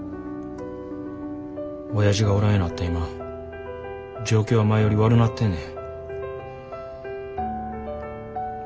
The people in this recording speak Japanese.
おやじがおらんようなった今状況は前より悪なってんねん。